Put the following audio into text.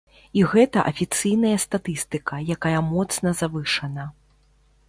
І гэта афіцыйная статыстыка, якая моцна завышана.